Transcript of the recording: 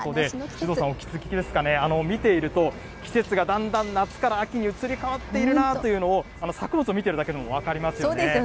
首藤さん、お気付きですかね、見ていると、季節がだんだん夏から秋に移り変わっているなあというのを、作物を見ているだけでも分かりますよね。